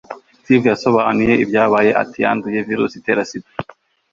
steve yasobanuye ibyabaye. ati yanduye virusi itera sida